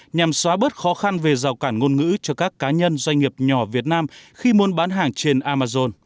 nhằm xóa bớt khó khăn về rào cản ngôn ngữ cho các cá nhân doanh nghiệp nhỏ việt nam khi muốn bán hàng trên amazon